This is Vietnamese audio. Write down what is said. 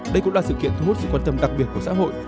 đây cũng là sự kiện thu hút sự quan tâm đặc biệt của xã hội